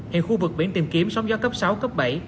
hiện khu vực biển tìm kiếm sống do cấp sáu cấp bảy